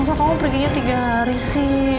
masa kamu perginya tiga hari sih